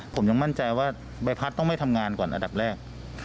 ผมยังมั่นใจว่าใบพัดต้องไม่ทำงานก่อนอันดับแรก